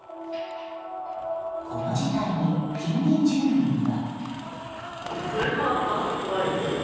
この事態に近隣住民は。